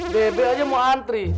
bebek aja mau antri